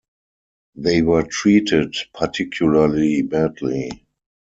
They were treated particularly badly.